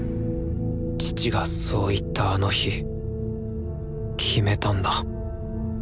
父がそう言ったあの日決めたんだ